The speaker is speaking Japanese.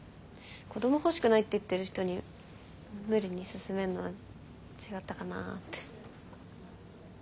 子ども欲しくないって言ってる人に無理に勧めんのは違ったかなって。